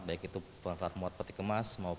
baik itu bongkar muat petikemas